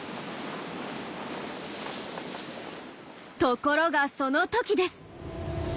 ところがその時です。